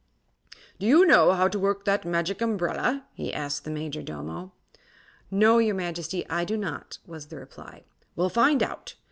"Do you know how to work that Magic Umbrella?" he asked the Majordomo. "No, your Majesty; I do not," was the reply. "Well, find out.